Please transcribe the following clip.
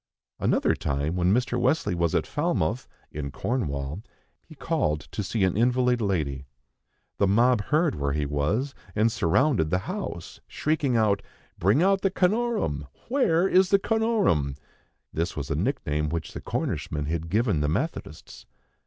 Another time, when Mr. Wesley was at Falmouth in Cornwall, he called to see an invalid lady. The mob heard where he was, and surrounded the house, shrieking out: "Bring out the Canorum! Where is the Canorum?" This was a nickname which the Cornishmen had given the Methodists.